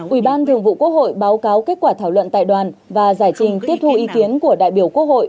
ủy ban thường vụ quốc hội báo cáo kết quả thảo luận tại đoàn và giải trình tiếp thu ý kiến của đại biểu quốc hội